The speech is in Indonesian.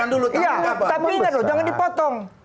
tapi jangan dipotong